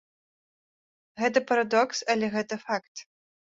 Гэта парадокс, але гэта факт.